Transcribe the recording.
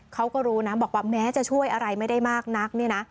เขาก็รู้นะบอกว่าแม้จะช่วยอะไรไม่ได้มากนักเนี่ยนะ